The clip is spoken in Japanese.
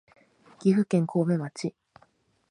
岐阜県神戸町